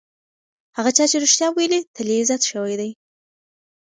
هغه چا چې رښتیا ویلي، تل یې عزت شوی دی.